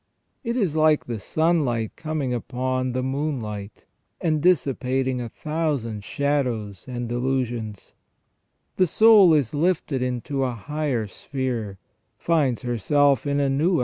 It is like the sunlight coming upon the moonlight, and dissipating a thousand shadows and delusions. The soul is lifted into a higher sphere, finds herself in a new * S. Greg. Nazian., Oral. 21. f Id., Oral. 34.